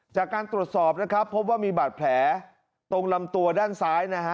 จากการตรวจสอบนะครับพบว่ามีบาดแผลตรงลำตัวด้านซ้ายนะฮะ